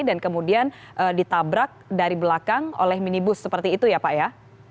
dan kemudian ditabrak dari belakang oleh minibus seperti itu ya pak ya